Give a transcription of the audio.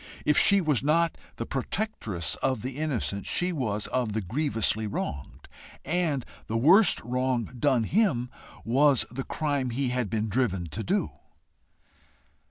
If she was not the protectress of the innocent, she was of the grievously wronged, and the worst wrong done him was the crime he had been driven to do.